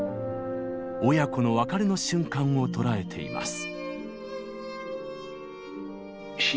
親子の別れの瞬間を捉えています。